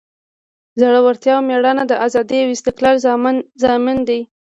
زړورتیا او میړانه د ازادۍ او استقلال ضامن دی.